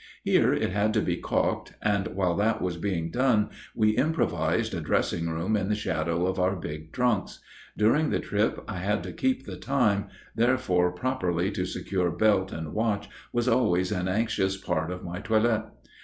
Here it had to be calked, and while that was being done we improvised a dressing room in the shadow of our big trunks. During the trip I had to keep the time, therefore properly to secure belt and watch was always an anxious part of my toilet.